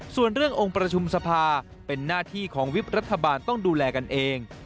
ส่วนเรื่ององค์ประชุมสภาเป็นหน้าที่ของวิบรัฐบาลต้องดูแลกันเอง